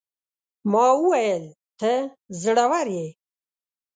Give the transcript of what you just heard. ما وويل: ته زړوره يې.